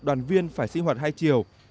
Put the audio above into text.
đoàn viên phải sinh hoạt hai chiều